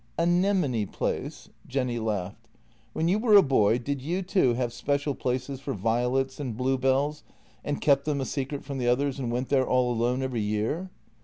" Anemone place." Jenny laughed. " When you were a boy did you, too, have special places for violets and bluebells, and kept them a secret from the others and went there all alone every year?